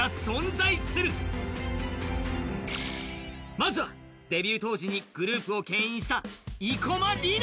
まずはデビュー当時にグループをけん引した生駒里奈。